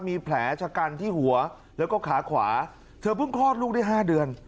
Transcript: มีแผลชะกันที่หัวแล้วก็ขาขวาเธอเพิ่งคลอดลูกได้๕เดือน